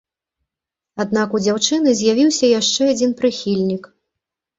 Аднак у дзяўчыны з'явіўся яшчэ адзін прыхільнік.